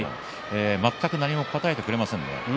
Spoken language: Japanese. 全く何も答えてくれませんね。